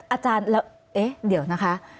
อาจารย์แล้วเอ๊ะเดี๋ยวนะคะ